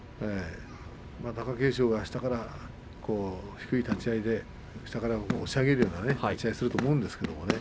貴景勝が下から低い立ち合いで押し上げるような立ち合いをすると思うんです。